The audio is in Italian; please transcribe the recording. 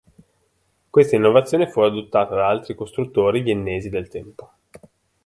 Questa innovazione fu adottata da altri costruttori viennesi del tempo.